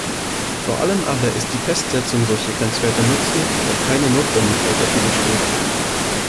Vor allem aber ist die Festsetzung solcher Grenzwerte nutzlos, weil keine Notwendigkeit dafür besteht.